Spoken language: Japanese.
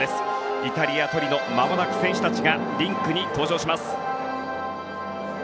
イタリア・トリノまもなく選手たちがリンクに登場します。